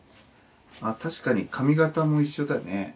あ確かに髪形も一緒だね。